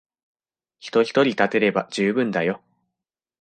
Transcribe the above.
人ひとり立てれば充分だよ。